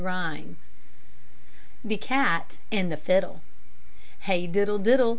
THE CAT AND THE FIDDLE Hey, diddle, diddle!